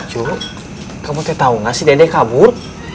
cuk kamu tau gak si dedek kabur